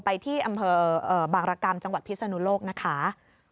ไปที่อำเภอบางรกรรมจังหวัดพิศนุโลกนะคะ